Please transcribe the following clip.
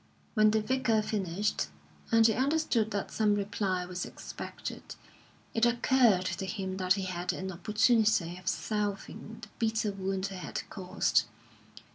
When the Vicar finished, and he understood that some reply was expected, it occurred to him that he had an opportunity of salving the bitter wound he had caused.